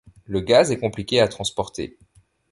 Le gaz est compliqué à transporter.